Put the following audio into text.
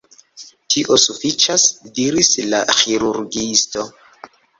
Tio sufiĉas, diris la ĥirurgiisto.